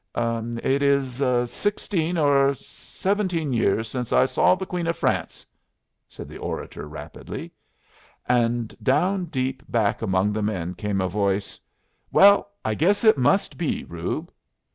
"It is sixteen or seventeen years since I saw the Queen of France," said the orator, rapidly. And down deep back among the men came a voice, "Well, I guess it must be, Reub."